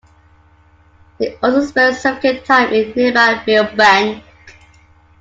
He also spent significant time in nearby Mill Bank.